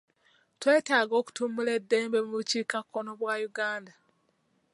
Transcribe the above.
Twetaaga okutumbula eddembe mu bukiikakkono bwa Uganda.